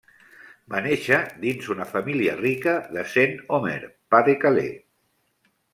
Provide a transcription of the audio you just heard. Va néixer dins una família rica de Saint-Omer, Pas de Calais.